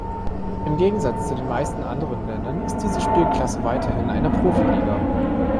Im Gegensatz zu den meisten anderen Ländern ist diese Spielklasse weiterhin eine Profi-Liga.